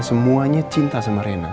semuanya cinta sama reina